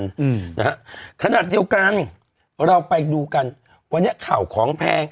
อืมนะฮะขนาดเดียวกันเราไปดูกันวันนี้ข่าวของแพง